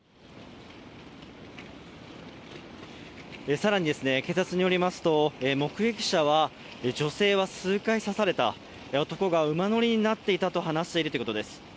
更に警察によりますと、目撃者は女性は数回刺された、男が馬乗りになっていたと話しているということです。